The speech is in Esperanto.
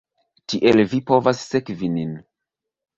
Tiel vi povas sekvi nin